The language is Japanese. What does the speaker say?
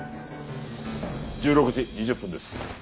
１６時２０分です。